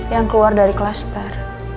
yang keluar dari klaster